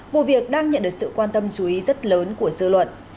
vụ việc đang nhận được sự quan tâm chú ý rất lớn của dư luận